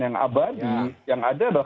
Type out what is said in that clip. yang abadi yang ada adalah